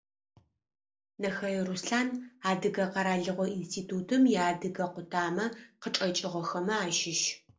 Нэхэе Руслъан, Адыгэ къэралыгъо институтым иадыгэ къутамэ къычӏэкӏыгъэхэмэ ащыщ.